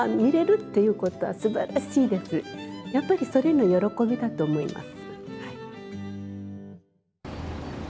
やっぱりそれの喜びだと思います。